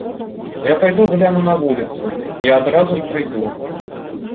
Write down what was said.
Я пайду гляну на вуліцу, я адразу ж прыйду.